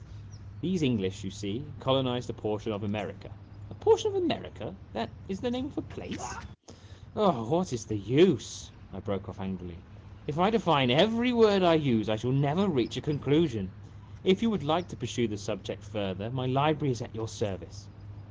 "These English, you see, colonized a portion of America "" A portion of America that is the name of a place ?"" Oh, what is the use !" I broke off angrily. " If I define every word I use, I shall never reach a conclusion. If you would like to pursue the subject further, my library is at your service."